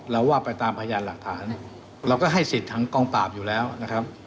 เราว่าไปตามพยานหลักฐานเราก็ให้สิทธิ์ทางกองปราบอยู่แล้วนะครับ